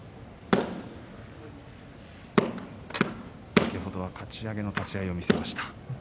先ほどはかち上げの立ち合いを見せました。